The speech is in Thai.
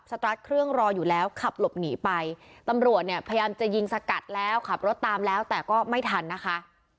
ตรัสเครื่องรออยู่แล้วขับหลบหนีไปตำรวจเนี่ยพยายามจะยิงสกัดแล้วขับรถตามแล้วแต่ก็ไม่ทันนะคะ